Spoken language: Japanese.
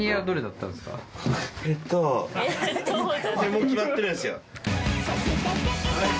もう決まってるんですよ